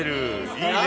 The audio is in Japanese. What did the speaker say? いいね。